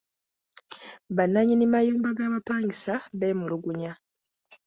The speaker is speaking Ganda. Bannannyini mayumba g'apangisibwa beemulugunya.